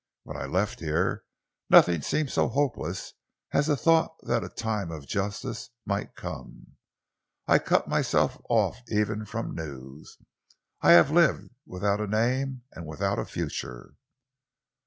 When I left here, nothing seemed so hopeless as the thought that a time of justice might come. I cut myself off even from news. I have lived without a name and without a future."